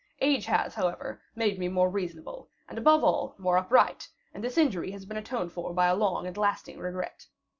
Age has, however, made me more reasonable, and, above all, more upright; and this injury has been atoned for by a long and lasting regret.